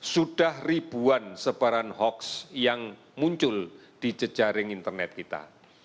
sudah ribuan sebaran hoaks yang muncul di jejaring internet kita